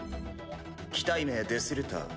機体名デスルター。